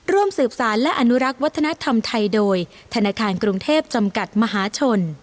ร่วมสืบสารและอนุรักษ์วัฒนธรรมไทยโดยธนาคารกรุงเทพจำกัดมหาชน